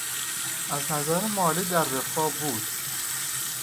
از نظر مالی در رفاه بود.